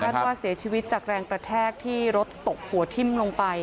ว่าเสียชีวิตจากแรงกระแทกที่รถตกหัวทิ้มลงไป